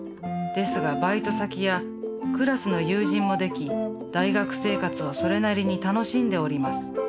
ですがバイト先やクラスの友人もでき大学生活をそれなりに楽しんでおります。